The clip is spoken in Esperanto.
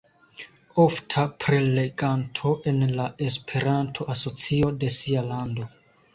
Ofta preleganto en la Esperanto-asocio de sia lando.